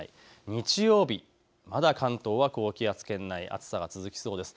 日曜日、まだ関東は高気圧圏内、暑さが続きそうです。